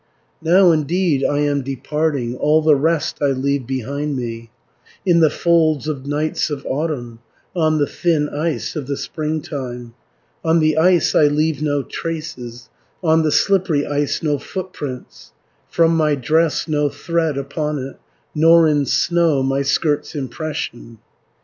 "Now indeed I am departing, All the rest I leave behind me; In the folds of nights of autumn, On the thin ice of the springtime, 390 On the ice I leave no traces, On the slippery ice no footprints, From my dress no thread upon it, Nor in snow my skirt's impression.